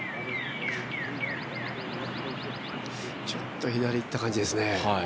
ちょっと左へいった感じですね。